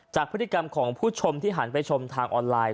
จากพฤติกรรมของผู้ชมที่หันไปชมทางออนไลน์